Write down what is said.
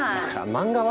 漫画は？